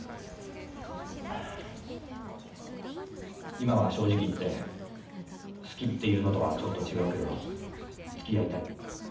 今は正直言って好きっていうのとはちょっと違うけどつきあいたい。